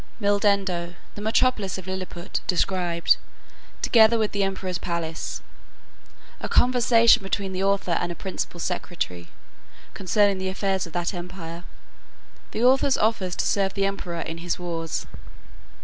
Mildendo, the metropolis of Lilliput, described, together with the emperor's palace. A conversation between the author and a principal secretary, concerning the affairs of that empire. The author's offers to serve the emperor in his wars.